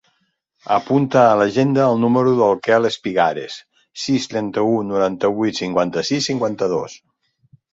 Apunta a l'agenda el número del Quel Espigares: sis, trenta-u, noranta-vuit, cinquanta-sis, cinquanta-dos.